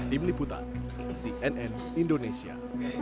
tim liputan cnn indonesia